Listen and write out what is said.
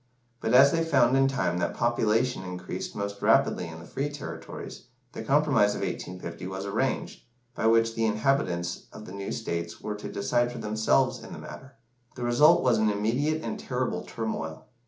But as they found in time that population increased most rapidly in the free territories, the compromise of 1850 was arranged, by which the inhabitants of the new states were to decide for themselves in the matter. The result was an immediate and terrible turmoil.